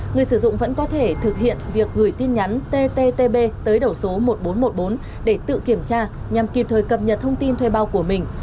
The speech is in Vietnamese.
người sử dụng vẫn có thể thực hiện việc gửi tin nhắn ttb tới đầu số một nghìn bốn trăm một mươi bốn để tự kiểm tra nhằm kịp thời cập nhật thông tin thuê bao của mình